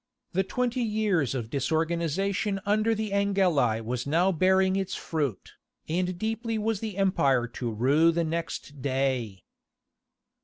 The twenty years of disorganization under the Angeli was now bearing its fruit, and deeply was the empire to rue the next day.